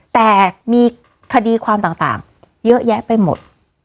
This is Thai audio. แต่มีคดีความต่างเยอะแยะไปหมด